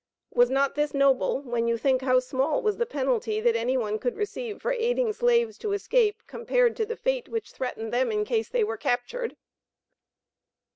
Was not this noble, when you think how small was the penalty that any one could receive for aiding slaves to escape, compared to the fate which threatened them in case they were captured?